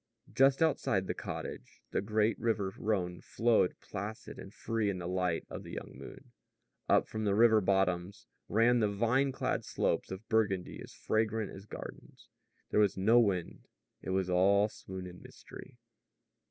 Just outside the cottage the great river Rhone flowed placid and free in the light of the young moon. Up from the river bottoms ran the vine clad slopes of Burgundy as fragrant as gardens. There was no wind. It was all swoon and mystery.